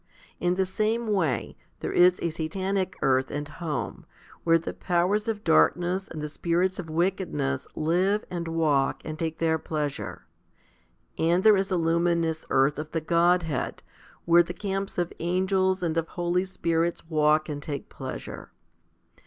In the same way there is a Satanic " earth " and home, where the powers of darkness and the spirits of wickedness live and walk and take their pleasure ; and there is a luminous "earth " of the Godhead, where the camps of angels and of holy spirits walk and take pleasure.